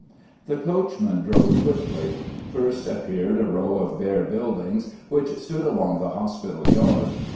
The coachman drove quickly. First appeared a row of bare buildings, which stood along the hospital yard.